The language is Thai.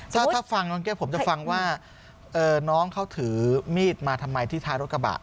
ถ้าฟังน้องแก้วผมจะฟังว่าน้องเขาถือมีดมาทำไมที่ท้ายรถกระบะ